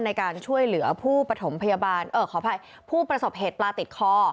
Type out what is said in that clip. ในการช่วยเหลือผู้ประสบเหตุปลาติดคอ